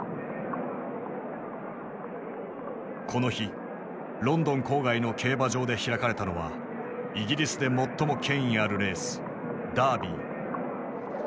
この日ロンドン郊外の競馬場で開かれたのはイギリスで最も権威あるレースダービー。